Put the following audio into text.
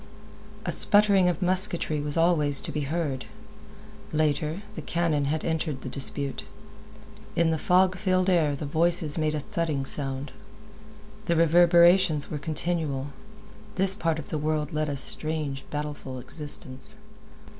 A sputtering of musketry was always to be heard. Later, the cannon had entered the dispute. In the fog filled air their voices made a thudding sound. The reverberations were continual. This part of the world led a strange, battleful existence.